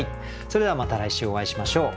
それではまた来週お会いしましょう。